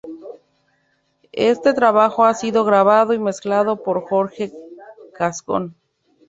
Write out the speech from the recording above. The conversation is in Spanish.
Este trabajo ha sido grabado y mezclado por Jorge Gascón.